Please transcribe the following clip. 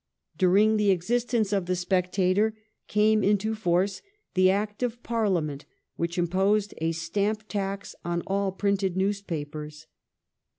During the existence of ' The Spectator ' came into force the Act of Parliament which imposed a stamp tax on all printed newspapers.